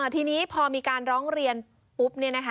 ทีนี้พอมีการร้องเรียนปุ๊บ